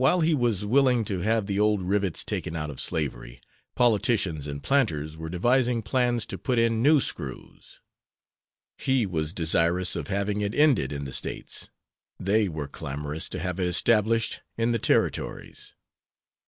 While he was willing to have the old rivets taken out of slavery, politicians and planters were devising plans to put in new screws. He was desirous of having it ended in the States; they were clamorous to have it established in the Territories.